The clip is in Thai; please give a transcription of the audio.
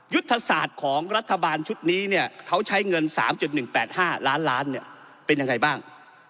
ยุทธศาสตร์ของรัฐบาลชุดนี้เนี่ยเขาใช้เงิน๓๑๘๕ล้านล้านเป็นยังไงบ้าง